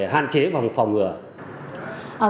hạn chế phòng ngừa